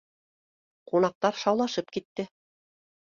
Ҡунаҡтар шаулашып китте